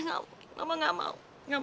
enggak mau enggak mau